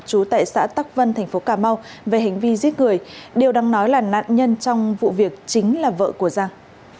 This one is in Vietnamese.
chú tại xã tắc vân thành phố cà mau về hành vi giết người điều đang nói là nạn nhân trong vụ việc chính là vợ của giang